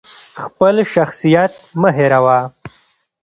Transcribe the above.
خپل شخصیت مه هیروه!